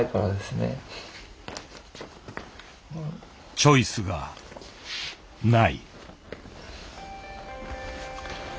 「チョイスが無い」。